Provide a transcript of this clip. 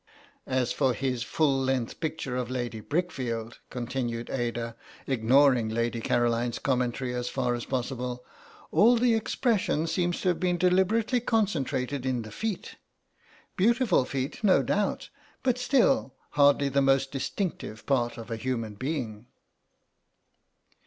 "As for his full length picture of Lady Brickfield," continued Ada, ignoring Lady Caroline's commentary as far as possible, "all the expression seems to have been deliberately concentrated in the feet; beautiful feet, no doubt, but still, hardly the most distinctive part of a human being."